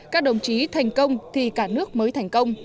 các đồng chí thành công thì cả nước mới thành công